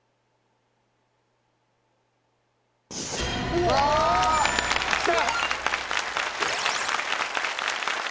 うわきた！